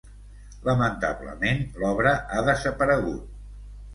Lamentablement l'obra ha desaparegut.